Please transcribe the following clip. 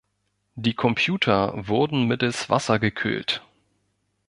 Die Computer wurden mittels Wasser gekühlt.